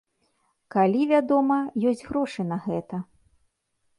Калі, вядома, ёсць грошы на гэта.